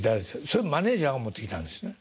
それマネージャーが持ってきたんですね？